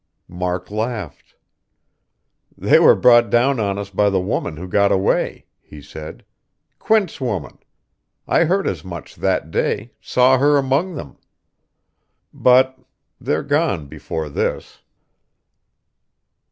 Mark laughed. "They were brought down on us by the woman who got away," he said. "Quint's woman. I heard as much that day, saw her among them. But they're gone before this."